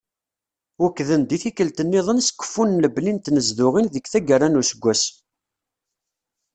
Wekkden-d i tikkelt-nniḍen s keffu n lebni n tnezduɣin deg taggara n useggas.